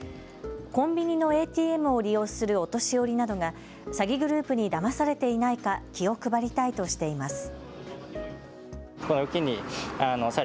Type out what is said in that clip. コンビニのＡＴＭを利用するお年寄りなどが詐欺グループにだまされていないか、気を配りたいとしています。